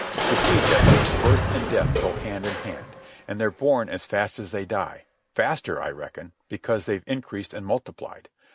You see, Jesse, birth and death go hand in hand. And they're born as fast as they die—faster, I reckon, because they've increased and multiplied.